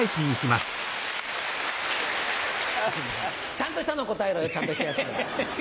ちゃんとしたのを答えろよちゃんとしたやつを。